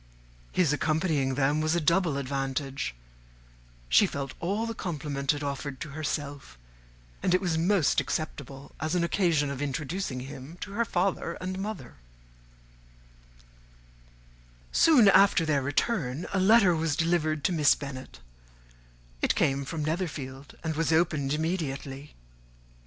His accompanying them was a double advantage: she felt all the compliment it offered to herself; and it was most acceptable as an occasion of introducing him to her father and mother. [Illustration: "Walked back with them" [Copyright 1894 by George Allen.]] Soon after their return, a letter was delivered to Miss Bennet; it came from Netherfield, and was opened immediately.